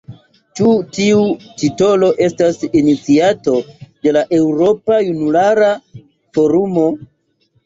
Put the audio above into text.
Ĉi tiu titolo estas iniciato de la Eŭropa Junulara Forumo.